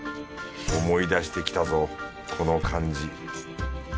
思い出してきたぞこの感じ。